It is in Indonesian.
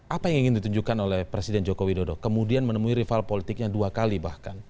apa yang ingin ditunjukkan oleh presiden joko widodo kemudian menemui rival politiknya dua kali bahkan